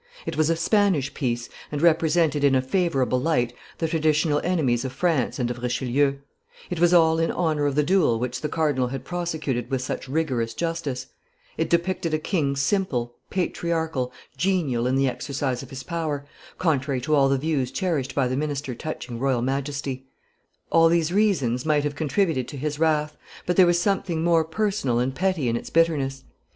It was a Spanish piece, and represented in a favorable light the traditional enemies of France and of Richelieu; it was all in honor of the duel which the cardinal had prosecuted with such rigorous justice; it depicted a king simple, patriarchal, genial in the exercise of his power, contrary to all the views cherished by the minister touching royal majesty; all these reasons might have contributed to his wrath, but there was something more personal and petty in its bitterness.